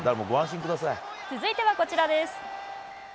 続いてはこちらです。